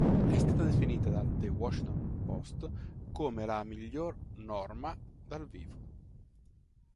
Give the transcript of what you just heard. È stata definita dal "The Washington Post" come "la miglior "Norma" dal vivo.